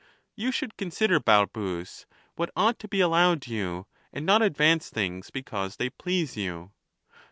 You should consider, Balbns, what ought to be allowed you, and not advance things because they please you.